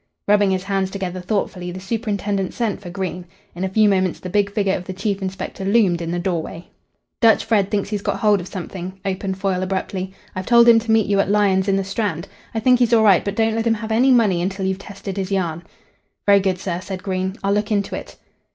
Rubbing his hands together thoughtfully, the superintendent sent for Green. In a few moments the big figure of the chief inspector loomed in the doorway. "Dutch Fred thinks he's got hold of something," opened Foyle abruptly. "I've told him to meet you at Lyon's in the Strand. I think he's all right, but don't let him have any money until you've tested his yarn." "Very good, sir," said Green. "I'll look into it."